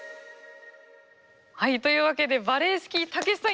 はいというわけでバレエスキー。